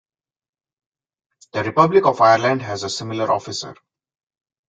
The Republic of Ireland has a similar officer.